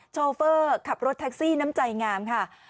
โชเฟอร์ขับรถแท็กซี่น้ำใจงามค่ะ